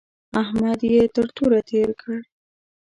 احمد يې تر توره تېر کړ.